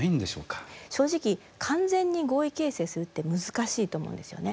正直完全に合意形成するって難しいと思うんですよね。